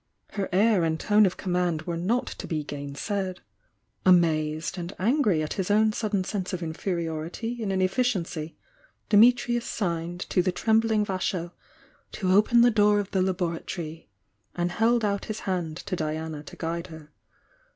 Her air and tone of command were not to be gainsaid. Amazed and angry at his own sudden sense of inferiority and inefficiency, Dimitrius signed to the trembling Vasho to open the door of the labora tory, and held out his hand to Diana to guide her.